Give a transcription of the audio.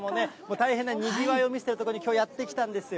大変なにぎわいを見せている所に、きょうやって来たんですよ。